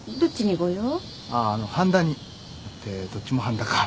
あああの半田にってどっちも半田か。